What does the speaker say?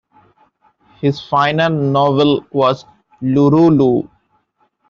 His final novel was "Lurulu".